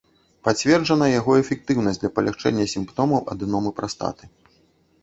Пацверджана яго эфектыўнасць для палягчэння сімптомаў адэномы прастаты.